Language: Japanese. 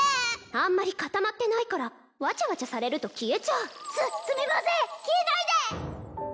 あんまり固まってないからわちゃわちゃされると消えちゃうすすみません消えないで！